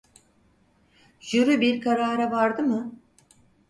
Jüri bir karara vardı mı?